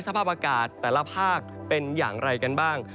สภาพอากาศแต่ละภาคเป็นอย่างไรกันบ้าง